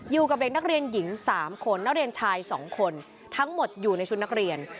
อยู่กับเด็กนักเรียนหญิง๓คนนักเรียนชาย๒คนทั้งหมดอยู่ในชุดนักเรียน